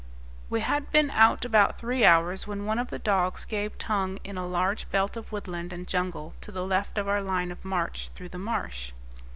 We had been out about three hours when one of the dogs gave tongue in a large belt of woodland and jungle to the left of our line of march through the marsh.